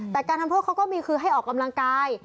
แต่การทำโทษเขาก็มีคือให้ออกกำลังกาย